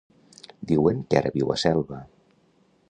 Diuen que ara viu a Selva.